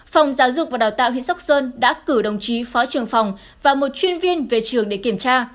phòng giáo dục và đào tạo huyện sóc sơn đã cử đồng chí phó trưởng phòng và một chuyên viên về trường để kiểm tra